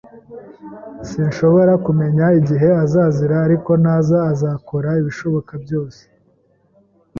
Sinshobora kumenya igihe azazira, ariko naza, azakora ibishoboka byose.